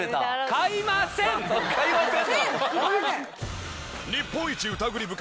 「買いません！」なの？